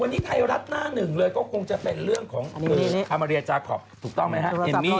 วันนี้ถ่ายรัตว์หน้าหนึ่งก็คงจะเป็นเรื่องของอามารีแลอตแล๊ทจาคอสถูกต้องไหมฮะ